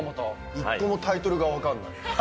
一個もタイトルが分かんない。